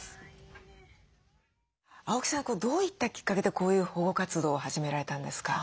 青木さんどういったきっかけでこういう保護活動を始められたんですか？